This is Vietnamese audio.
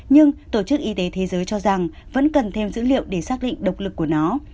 nhưng tổ chức y tế thế giới cho rằng vẫn cần thêm dữ liệu để xác định độc lực của nó